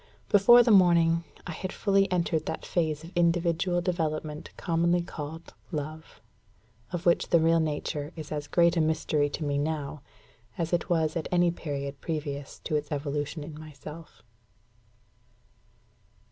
Before the morning, I had fully entered that phase of individual development commonly called love, of which the real nature is as great a mystery to me now, as it was at any period previous to its evolution in myself.